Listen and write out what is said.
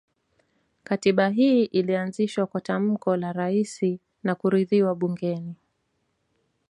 Katiba hii ilianzishwa kwa tamko la Rais na kuridhiwa bungeni